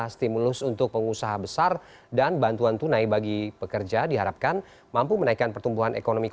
selamat malam assalamualaikum wr wb